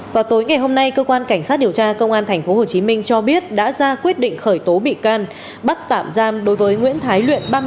vào tối ngày hôm nay cơ quan cảnh sát điều tra công an tp hcm cho biết đã ra quyết định khởi tố bị can bắt tạm giam đối với nguyễn thái luyện